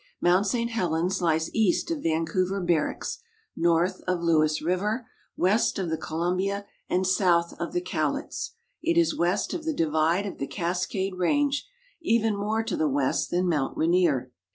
Mt. St. Helens lies east of Vancouver Barracks, north of Lewis river, west of the Columbia, and south of the Cowlitz ; it is west of the divide of the Cascade range, even more to the west than Mt. Rainier.